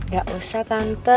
ga usah tante